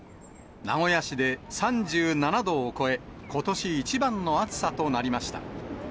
名古屋市で３７度を超え、ことし一番の暑さとなりました。